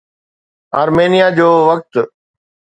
آرمينيا جو وقت